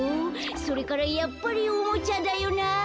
それからやっぱりおもちゃだよな」。